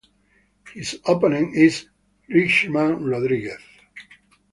His opponent is Richman Rodriguez.